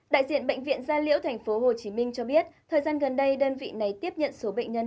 đại diện bệnh viện gia liễu tp hcm cho biết thời gian gần đây đơn vị này tiếp nhận số bệnh nhân